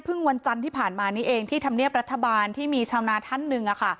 วันจันทร์ที่ผ่านมานี้เองที่ธรรมเนียบรัฐบาลที่มีชาวนาท่านหนึ่ง